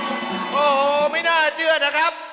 โอ้โหไม่น่าเชื่อนะครับ